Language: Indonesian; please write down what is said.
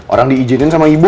orang diizinin sama ibu